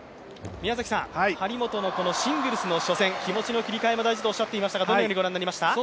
張本のこのシングルス初戦気持ちの切り替えも大事とおっしゃっていましたがどうご覧になりました？